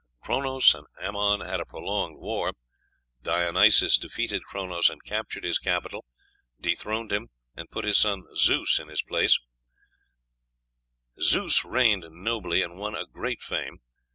Chronos and Amon had a prolonged war; Dionysos defeated Chronos and captured his capital, dethroned him, and put his son Zeus in his place; Zeus reigned nobly, and won a great fame.